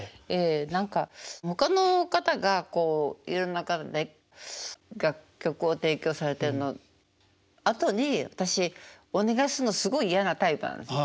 何かほかの方がいろんな方が楽曲を提供されてるのあとに私お願いするのすごい嫌なタイプなんですよ。